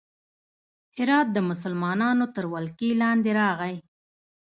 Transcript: هرات د مسلمانانو تر ولکې لاندې راغی.